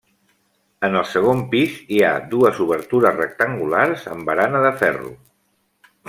En el segon pis hi ha dues obertures rectangulars amb barana de ferro.